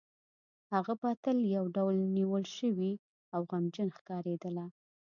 هغه به تل یو ډول نیول شوې او غمجنې ښکارېدله